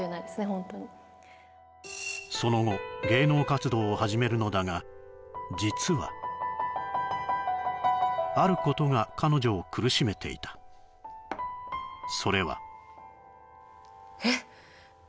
ホントにその後芸能活動を始めるのだが実はあることが彼女を苦しめていたそれはえっ！？